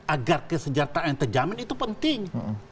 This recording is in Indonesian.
agar kesejahteraan terjamin itu penting